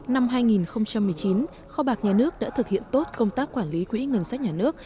năm hai nghìn một mươi chín kho bạc nhà nước đã thực hiện tốt công tác quản lý quỹ ngân sách nhà nước